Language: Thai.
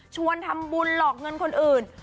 ชวนทำบุญหลอกเงินคนอื่น